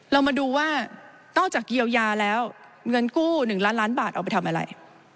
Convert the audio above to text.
เรามาดูว่านอกจากเยียวยาแล้วเงินกู้๑ล้านล้านบาทเอาไปทำอะไร